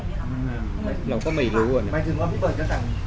อย่างเงี้ยหรอเราก็ไม่รู้อ่ะเนี้ยหมายถึงว่าพี่เบิร์ดจะสั่ง